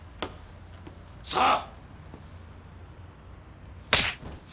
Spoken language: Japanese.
さあ！